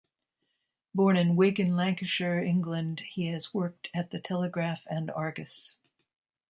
Born in Wigan, Lancashire, England, he has worked at the Telegraph and Argus.